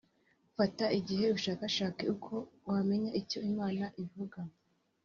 Fata igihe ushakashake uko wamenya icyo Imana ivuga